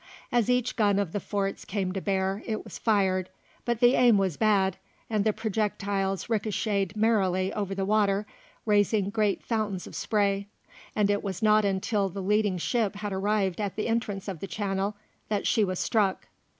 As each gun of the forts came to bear, it was fired, but the aim was bad, and the projectiles ricochetted merrily over the water, raising great fountains of spray, and it was not until the leading ship had arrived at the entrance of the channel, that she was struck.